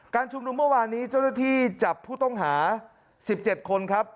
ชุมนุมเมื่อวานนี้เจ้าหน้าที่จับผู้ต้องหา๑๗คนครับ